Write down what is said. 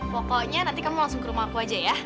pokoknya nanti kamu langsung ke rumah aku aja ya